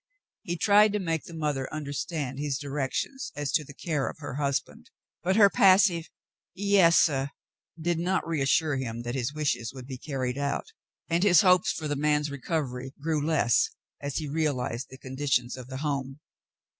He tried to make the mother understand his directions as to the care of her husband, but her pas sive "Yas, suh" did not reassure him that his wishes would be carried out, and his hopes for the man's recovery Cassandra and David 99 grew less as he realized the conditions of the home.